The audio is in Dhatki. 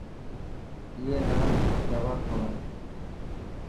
اي نا دوا کوڙا.